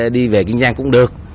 đi về kiên giang cũng được